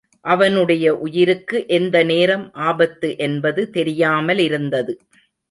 அவனுடைய உயிருக்கு எந்த நேரம் ஆபத்து என்பது தெரியாமலிருந்தது.